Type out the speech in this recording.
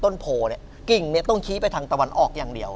โผเนี่ยกิ่งเนี่ยต้องชี้ไปทางตะวันออกอย่างเดียว